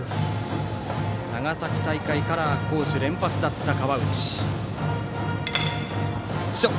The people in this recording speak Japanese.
長崎大会から好守連発だった河内。